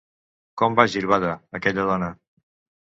Com va girbada, aquella dona.